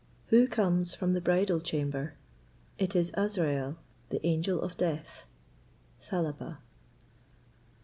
Who comes from the bridal chamber? It is Azrael, the angel of death. Thalaba.